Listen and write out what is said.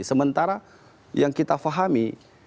sementara yang kita fahami